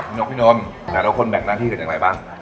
พี่นกพี่นทน่ารกคนแบ่งหน้าที่เกิดอย่างไรบ้าง